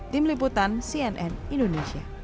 tim liputan cnn indonesia